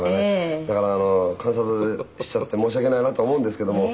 「だから観察しちゃって申し訳ないなと思うんですけども」